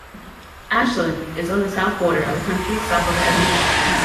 Ashland is on the south border of the county, south of Elmira.